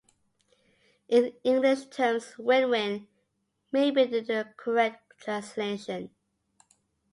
In English terms, "win-win" maybe the correct translation.